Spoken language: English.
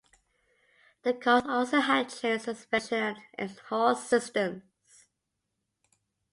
The cars also had changed suspension and exhaust systems.